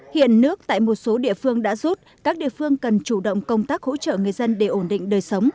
hiện nước tại một số địa phương đã rút các địa phương cần chủ động công tác hỗ trợ người dân để ổn định đời sống